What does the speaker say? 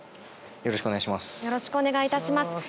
よろしくお願いします。